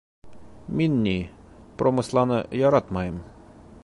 — Мин, ни, промысланы яратмайым.